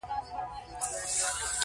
درناوی د ټولنې د ښه والي لپاره اړین دی.